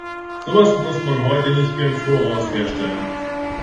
So etwas muss man heute nicht mehr im Voraus herstellen.